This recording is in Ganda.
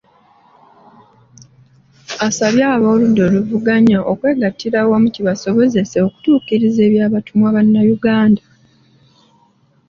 Asabye ab’oludda oluvuganya okwegattira awamu kibasobozese okutuukiriza ebyabatumwa Bannayuganda.